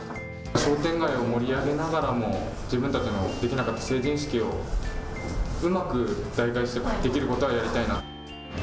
商店街を盛り上げながらも自分たちができなかった成人式をうまく代替してできることはやりたいなと。